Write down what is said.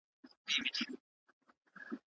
آيا بيولوژي پر ټولنيز رفتار اغېزه لري؟